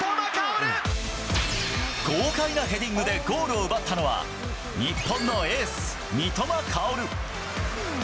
豪快なヘディングでゴールを奪ったのは、日本のエース、三笘薫。